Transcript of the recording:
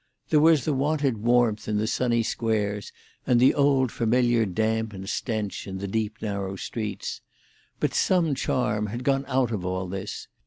There was the wonted warmth in the sunny squares, and the old familiar damp and stench in the deep narrow streets. But some charm had gone out of all this.